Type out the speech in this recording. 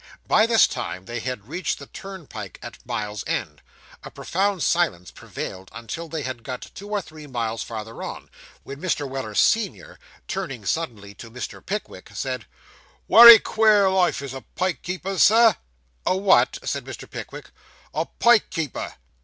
By this time they had reached the turnpike at Mile End; a profound silence prevailed until they had got two or three miles farther on, when Mr. Weller, senior, turning suddenly to Mr. Pickwick, said 'Wery queer life is a pike keeper's, sir.' 'A what?' said Mr. Pickwick. 'A pike keeper.